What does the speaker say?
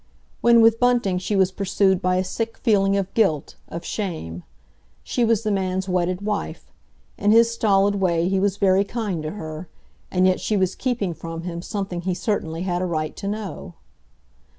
When with Bunting she was pursued by a sick feeling of guilt, of shame. She was the man's wedded wife—in his stolid way he was very kind to her, and yet she was keeping from him something he certainly had a right to know.